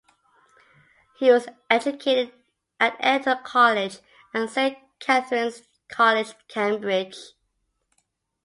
He was educated at Eton College and Saint Catharine's College, Cambridge.